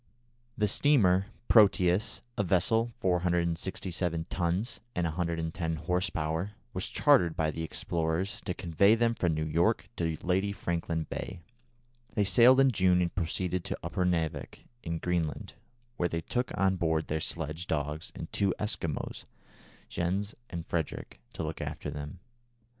The steamer Proteus, a vessel 467 tons and 110 horse power, was chartered by the explorers to convey them from New York to Lady Franklin Bay. They sailed in June and proceeded to Upernavik, in Greenland, where they took on board their sledge dogs and two Eskimo, Jens and Frederick, to look after them.